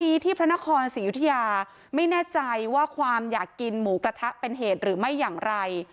ที่พระนครศรียุธยาไม่แน่ใจว่าความอยากกินหมูกระทะเป็นเหตุหรือไม่อย่างไร